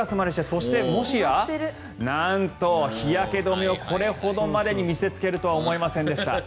そして、もしやなんと日焼け止めをこれほどまでに見せつけるとは思いませんでした。